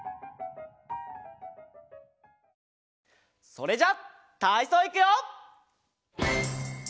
それじゃたいそういくよ！